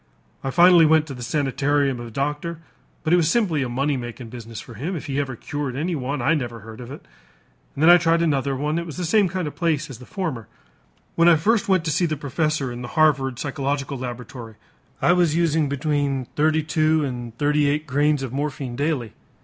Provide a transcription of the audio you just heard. I finally went to the sanitarium of a doctor but it was simply a money making business for him; if he ever cured anyone, I never heard of it. I then tried another one; it was the same kind of a place as the former. When I first went to see the professor in the Harvard Psychological Laboratory, I was using between thirty two and thirty eight grains of morphine daily.